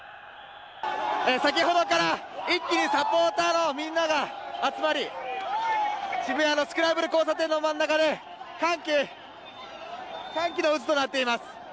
先ほどから一気にサポーターのみんなが集まり渋谷のスクランブル交差点の真ん中で歓喜の渦となっています。